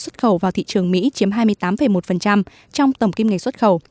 thị trường mỹ chiếm hai mươi tám một trong tổng kim ngạch xuất khẩu